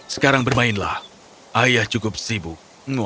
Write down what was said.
sekarang bermainlah ayah cukup sibuk